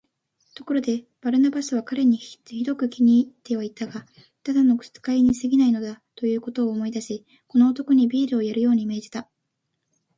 ところで、バルナバスは彼にひどく気に入ってはいたが、ただの使いにすぎないのだ、ということを思い出し、この男にビールをやるように命じた。